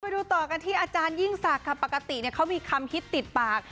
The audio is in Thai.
ไปดูต่อกันที่อาจารย์ยิ่งสากค่ะปกติเนี่ยเขามีคำคิดลูกติดปาก